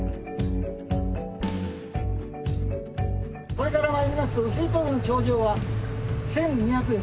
「これから参ります碓氷峠の頂上は１２００です」